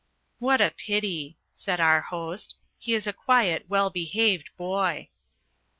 ..."" What a pity," said our host. " He is a quiet, well behaved boy."